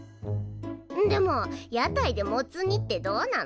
でも屋台でモツ煮ってどうなの？